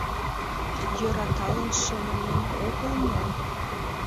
Йӧраталын шонымем огыл мо?